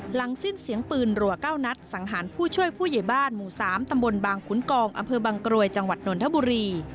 หลังสิ้นเสียงปืนรัว๙นัดสังหารผู้ช่วยผู้ใหญ่บ้านหมู่๓ตำบลบางขุนกองอำเภอบางกรวยจังหวัดนนทบุรี